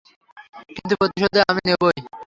কিন্তু প্রতিশোধ আমি নেবই।